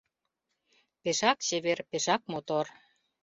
Пешак чевер, пешак мотор